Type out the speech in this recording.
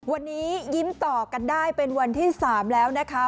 วันนี้ยิ้มต่อกันได้เป็นวันที่๓แล้วนะคะ